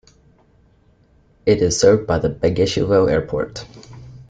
It is served by the Begishevo Airport.